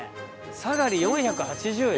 「サガリ４８０円」。